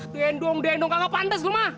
dendong dendong kagak pantes lu mah